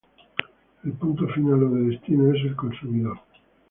El punto final o de destino es el consumidor.